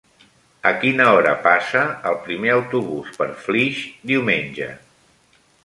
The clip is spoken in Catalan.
A quina hora passa el primer autobús per Flix diumenge?